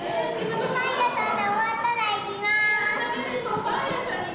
パン屋さんが終わったら行きます。